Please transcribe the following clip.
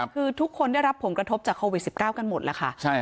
คือทุกคนได้รับผมกระทบจากโควิดสิบเก้ากันหมดแล้วค่ะใช่ค่ะ